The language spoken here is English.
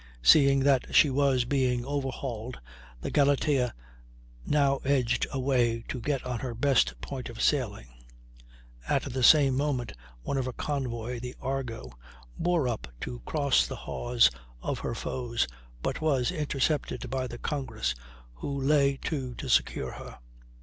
Seeing that she was being overhauled, the Galatea now edged away to get on her best point of sailing; at the same moment one of her convoy, the Argo, bore up to cross the hawse of her foes, but was intercepted by the Congress, who lay to to secure her.